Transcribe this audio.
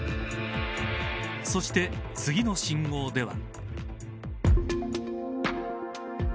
そして、次の信号では。